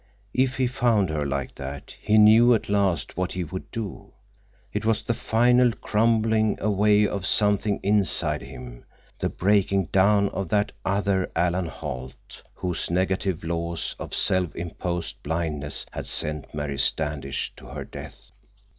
If he found her like that, he knew, at last, what he would do. It was the final crumbling away of something inside him, the breaking down of that other Alan Holt whose negative laws and self imposed blindness had sent Mary Standish to her death.